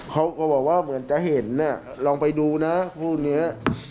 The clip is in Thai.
เขาก็บอกว่าเหมือนจะเห็นน่ะลองไปดูนะพวกนี้